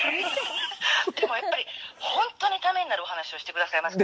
でも本当にためになるお話をしてくださいます。